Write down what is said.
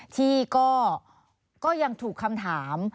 ที่ก็ยังถามถาม